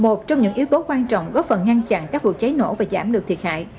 một trong những yếu tố quan trọng góp phần ngăn chặn các vụ cháy nổ và giảm được thiệt hại